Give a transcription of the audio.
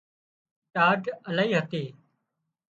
ٽاڍ الاهي هتي